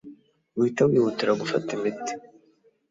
uhite wihutira gufata imiti